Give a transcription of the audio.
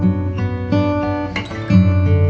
terima kasih ya mas